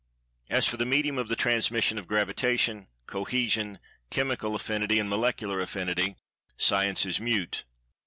As for[Pg 160] the medium of the transmission of Gravitation, Cohesion, Chemical Affinity and Molecular Affinity, Science is mute.